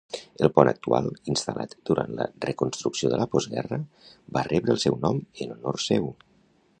El pont actual, instal·lat durant la reconstrucció de la postguerra, va rebre el seu nom en honor seu.